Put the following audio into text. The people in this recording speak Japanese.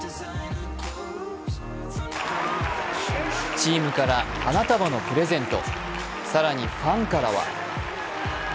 チームから花束のプレゼント。